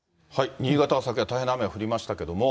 新潟は昨夜大変な雨が降りましたけども。